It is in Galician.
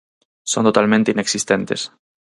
Son totalmente inexistentes.